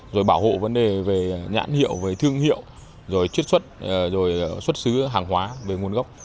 rồi bảo hộ vấn đề về nhãn hiệu về thương hiệu rồi chiết xuất rồi xuất xứ hàng hóa về nguồn gốc